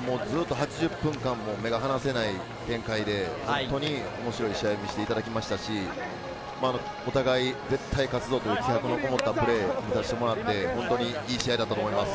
８０分間、目が離せない展開で、本当に面白い試合を見せていただきましたし、お互い絶対勝つぞ！という気迫のこもったプレーを見て本当にいい試合だったと思います。